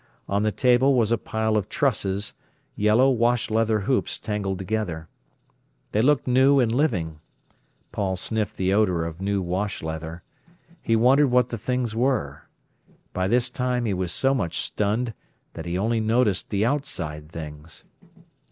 On the table was a pile of trusses, yellow wash leather hoops tangled together. They looked new and living. Paul sniffed the odour of new wash leather. He wondered what the things were. By this time he was so much stunned that he only noticed the outside things.